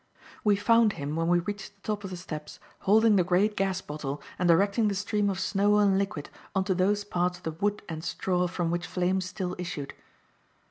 We found him, when we reached the top of the steps, holding the great gas bottle and directing the stream of snow and liquid on to those parts of the wood and straw from which flames still issued.